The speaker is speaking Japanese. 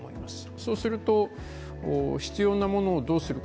そうすると、必要なものをどうするか。